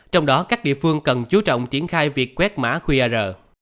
trong đó các địa phương cần chú trọng triển khai việc quét mã qr